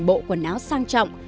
bộ quần áo sang trọng